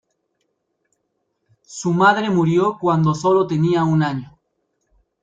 Su madre murió cuándo sólo tenía un año.